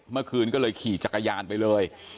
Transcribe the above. เมื่อคืนก็เลยขี่จักรยานไปเลย